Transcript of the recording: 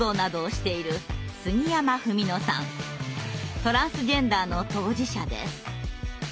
トランスジェンダーの当事者です。